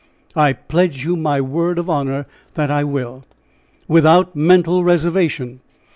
"I pledge you my word of honor that I will" "Without mental reservation?"